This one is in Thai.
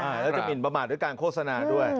แล้วจะหมินประมาทด้วยการโฆษณาด้วย